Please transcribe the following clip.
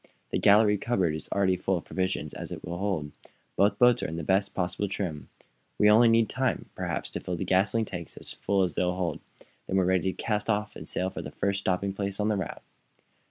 The galley cupboard is already as full of provisions as it will hold. Both boats are in the best possible trim. We need only time, perhaps, to fill the gasoline tanks as full as they'll hold. Then we're ready to cast off and sail far the first stopping place on the route."